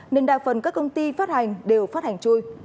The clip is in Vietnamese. nên đa phần các công ty phát hành đều phát hành chui